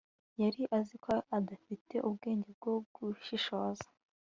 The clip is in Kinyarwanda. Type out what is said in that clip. yari azi ko adafite ubwenge bwo gushishoza